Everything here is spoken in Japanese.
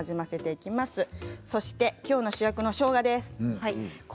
そしてきょうの主役のしょうがです。